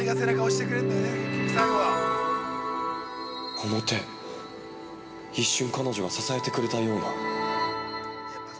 この手一瞬彼女が支えてくれたような。